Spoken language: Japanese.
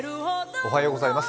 おはようございます。